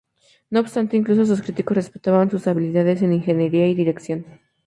No obstante, incluso sus críticos respetaban sus habilidades en ingeniería y dirección.